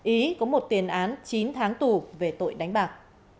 ý có một tiền án chín tháng tù về tội đánh bạc